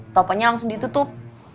teleponnya langsung ditutup